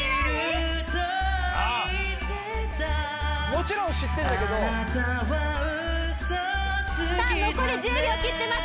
もちろん知ってんだけどさあ残り１０秒切ってます